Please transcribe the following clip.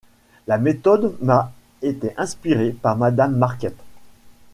La méthode m’a été inspirée par madame Marquet.